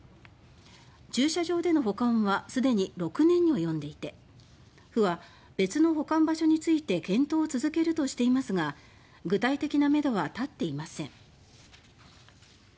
駐車場での保管はすでに６年に及んでいて府は別の保管場所について検討を続けるとしていますが具体的なめどは立っていません。